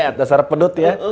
lihat dasar pendut ya